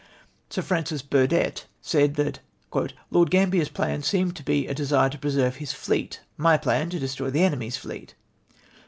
Sir Francis Bur dett said, that " Lord Gambler's plan seemed to be a desu^e to preserve his fleet ■—■ my plan, to destroy the enemy's fleet.